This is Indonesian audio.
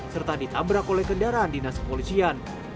serta ditabrak oleh kendaraan dinas kepolisian